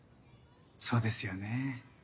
そうですよね。